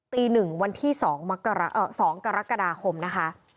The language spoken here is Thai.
ตี๑วันที่๒กรกฎาคมนะคะ